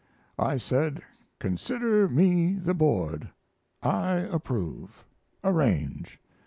I said, "Consider me the board; I approve; arrange."